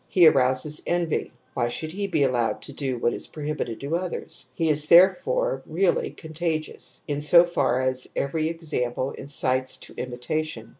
^ He arouses envy ; why should he be allowed to do what is prohibited to others ? He is therefore really contagiotis 9. in so far as verv example incites toJmitation.